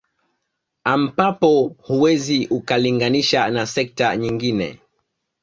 Ampapo huwezi ukalinganisha na sekta nyingine